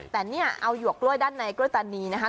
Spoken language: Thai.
แต่เนี่ยเอาหยวกกล้วยด้านในกล้วยตานีนะคะ